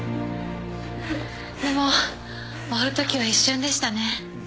でも終わるときは一瞬でしたね。